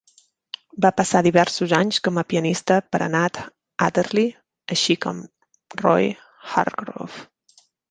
Va passar diversos anys com a pianista per a Nat Adderley, així com Roy Hargrove.